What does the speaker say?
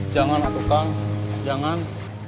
jangan kang jangan